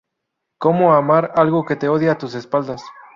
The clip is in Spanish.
Cómo amar algo que te odia a tus espaldas".